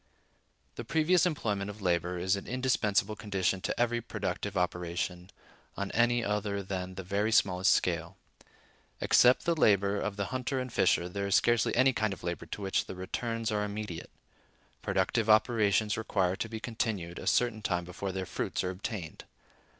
The previous employment of labor is an indispensable condition to every productive operation, on any other than the very smallest scale. Except the labor of the hunter and fisher, there is scarcely any kind of labor to which the returns are immediate. Productive operations require to be continued a certain time before their fruits are obtained.